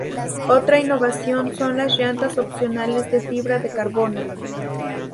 Otra innovación son las llantas opcionales de fibra de carbono.